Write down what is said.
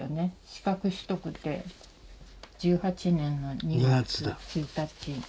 資格取得って昭和１８年の２月の１日。